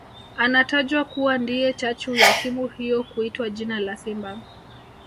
Anatajwa kuwa ndiye chachu ya timu hiyo kuitwa jina la Simba